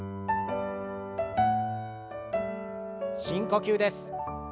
深呼吸です。